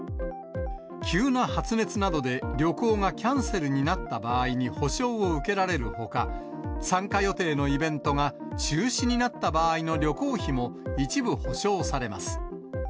急な発熱などで旅行がキャンセルになった場合に補償を受けられるほか、参加予定のイベントが中止になった場合の旅行費も、一部補償されます。